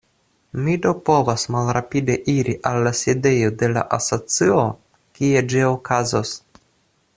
Mi do povas malrapide iri al la sidejo de la asocio, kie ĝi okazos.